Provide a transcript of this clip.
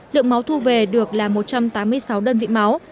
lượng máu thu về được là một trăm tám mươi sáu đơn vị máu